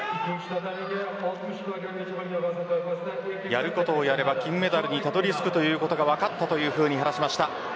やることをやれば金メダルにたどり着くということが分かったというふうに話していました。